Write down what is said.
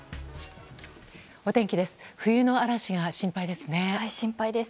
お天気です。